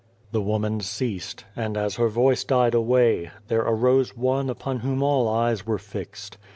" The woman ceased, and as her voice died away, there arose one upon whom all eyes were fixed.